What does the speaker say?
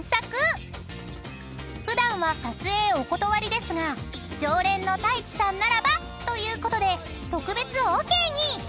［普段は撮影お断りですが常連の太一さんならばということで特別ＯＫに！］